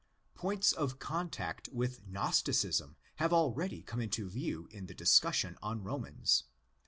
Points of contact with Gnosticism have already come into view in the discussion on Romans.